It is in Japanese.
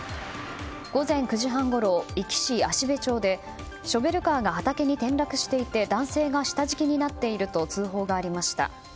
午前９時半ごろ、壱岐市芦辺町でショベルカーが畑に転落していて男性が下敷きになっていると通報がありました。